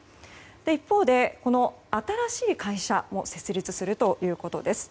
一方で、新しい会社も設立するということです。